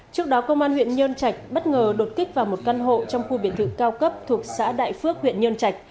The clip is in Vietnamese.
trước đó công an huyện nhơn trạch bất ngờ đột kích vào một căn hộ trong khu biệt thự cao cấp thuộc xã đại phước huyện nhơn trạch